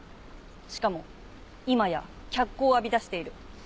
しかも今や脚光を浴びだしている。